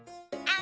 あ。